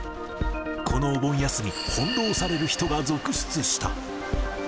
このお盆休み、翻弄される人が続出した。